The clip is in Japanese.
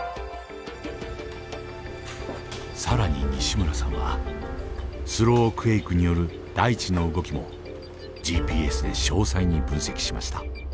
更に西村さんはスロークエイクによる大地の動きもＧＰＳで詳細に分析しました。